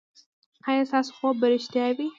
ایا ستاسو خوب به ریښتیا وي؟